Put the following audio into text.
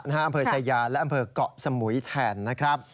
อำเภอชายาและอำเภอกเกาะสมุยแทนนะครับ